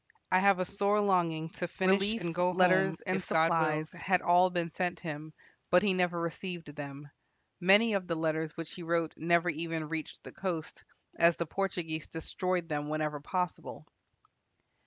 I have a sore longing to finish and go home, if God wills." Relief, letters, and supplies had all been sent him, but he never received them. Many of the letters which he wrote never even reached the coast, as the Portuguese destroyed them whenever possible.